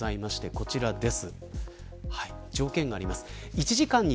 こちらです。